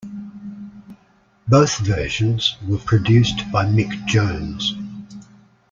Both versions were produced by Mick Jones.